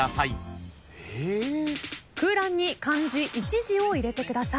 空欄に漢字一字を入れてください。